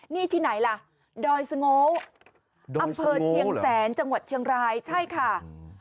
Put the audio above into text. นี่ที่ไหนล่ะดอยสงโลอำเภอเชียงแสนจังหวัดเชียงรายใช่ค่ะดอยสงโลอำเภอเชียงแสนจังหวัดเชียงรายใช่ค่ะ